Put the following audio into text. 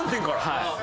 はい。